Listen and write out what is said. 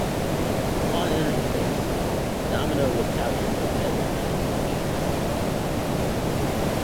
Upon entering the base, Domino was captured but Bedlam managed to escape.